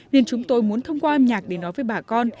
nên chúng tôi muốn thông qua âm nhạc để nói với bà con